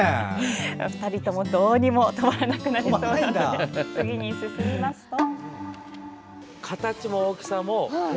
２人ともどうにも止まらなくなりそうなので次に進みますと。